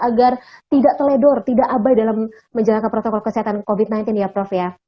agar tidak teledor tidak abai dalam menjalankan protokol kesehatan covid sembilan belas ya prof ya